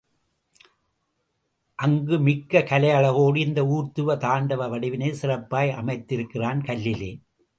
அங்கு மிக்க கலை அழகோடு இந்த ஊர்த்துவ தாண்டவ வடிவினை சிறப்பாய் அமைந்திருக்கிறான் கல்லிலே.